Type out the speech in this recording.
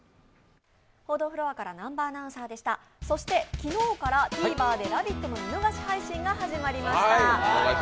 昨日からＴＶｅｒで「ラヴィット！」の見逃し配信が始まりました。